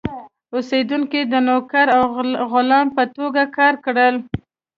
اوسېدونکي د نوکر او غلام په توګه کار کړل.